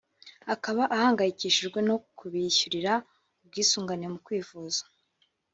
akaba ahangayikishijwe no kubishyurira ubwisungane mu kwivuza